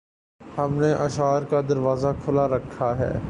ہم نے اشعار کا دروازہ کھُلا رکھا ہے